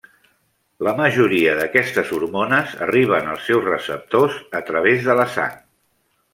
La majoria d'aquestes hormones arriben als seus receptors a través de la sang.